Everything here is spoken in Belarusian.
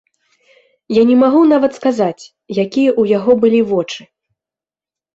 Я не магу нават сказаць, якія ў яго былі вочы.